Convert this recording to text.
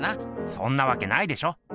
そんなわけないでしょ。